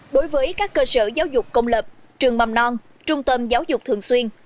đối với các cơ sở giáo dục công lập trường mầm non trung tâm giáo dục thường xuyên